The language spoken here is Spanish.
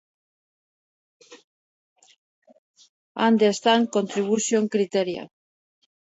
World Vision ha sido criticada constantemente por su enfoque en comunidades de desarrollo.